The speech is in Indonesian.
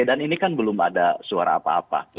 dan ini kan belum ada suara apa apa